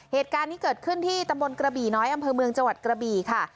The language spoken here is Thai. เหตุการณ์นี้เกิดขึ้นที่ตำบลกระบี่น้อยอำเภอเมืองจังหวัดกระบี่ค่ะ